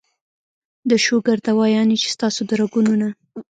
د شوګر دوايانې چې ستاسو د رګونو نه